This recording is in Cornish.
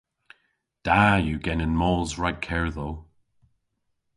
Da yw genen mos rag kerdhow.